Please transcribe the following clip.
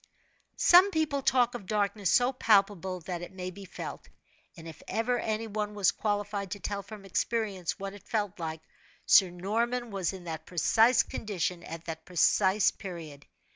Some people talk of darkness so palpable that it may be felt, and if ever any one was qualified to tell from experience what it felt like, Sir Norman was in that precise condition at that precise period.